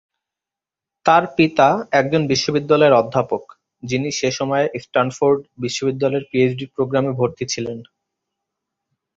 তার পিতা একজন বিশ্ববিদ্যালয়ের অধ্যাপক, যিনি সে সময়ে স্ট্যানফোর্ড বিশ্ববিদ্যালয়ে পিএইচডি প্রোগ্রামে ভর্তি ছিলেন।